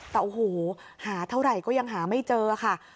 แต่โอ้โหหาเท่าไหร่ก็ยังหาไม่เจอค่ะ